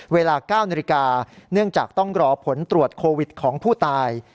เวลา๙นาฬิกาเนื่องจากต้องรอผลตรวจโควิดของผู้ตาย